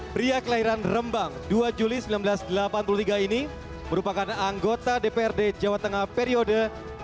pria kelahiran rembang dua juli seribu sembilan ratus delapan puluh tiga ini merupakan anggota dprd jawa tengah periode dua ribu dua puluh